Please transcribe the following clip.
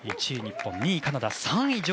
１位日本、２位カナダ３位